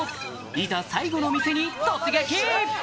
いざ最後の店に突撃！